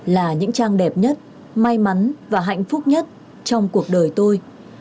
là những trang đẹp nhất may mắn và hạnh phúc nhất trong cuộc đời tôi